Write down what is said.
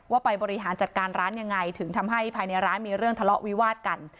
ไปบริหารจัดการร้านยังไงถึงทำให้ภายในร้านมีเรื่องทะเลาะวิวาดกัน